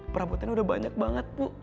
perabotan udah banyak banget bu